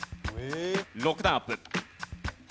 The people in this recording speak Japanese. ６段アップ。